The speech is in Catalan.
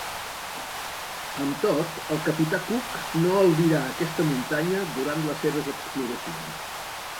Amb tot, el capità Cook no albirà aquesta muntanya durant les seves exploracions.